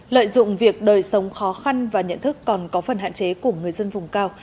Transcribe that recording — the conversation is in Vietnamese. lợi dụng việc đời sống khó khăn và nhận thức còn có phần hạn chế của người dân vùng cao